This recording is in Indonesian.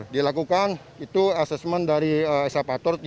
dilakukan assessment dari eksempator